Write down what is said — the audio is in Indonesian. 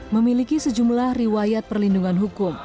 memiliki sejumlah riwayat perlindungan hukum